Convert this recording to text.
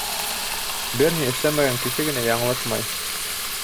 Бер ни эшләмәгән кеше генә яңылышмай.